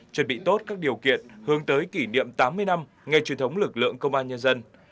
chuẩn bị tốt các điều kiện hướng tới kỷ niệm tám mươi năm ngày truyền thống lực lượng công an nhân dân